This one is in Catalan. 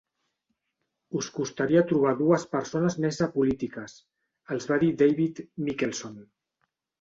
"Us costaria trobar dues persones més apolítiques", els va dir David Mikkelson.